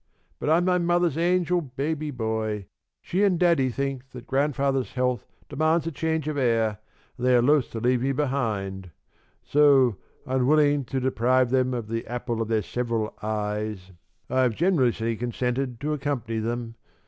But I'm my mother's angel baby boy. She and daddy think that grandfather's health demands a change of air, and they are loath to leave me behind. So, unwilling to deprive them of the apple of their several eyes, I have generously consented to accompany them.